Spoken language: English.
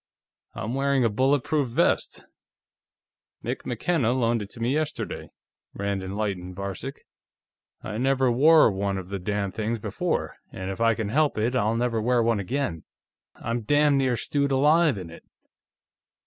"I'm wearing a bulletproof vest; Mick McKenna loaned it to me yesterday," Rand enlightened Varcek. "I never wore one of the damn things before, and if I can help it, I'll never wear one again. I'm damn near stewed alive in it."